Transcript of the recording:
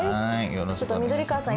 ちょっと緑川さん